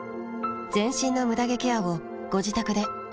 全身のムダ毛ケアをご自宅で思う存分。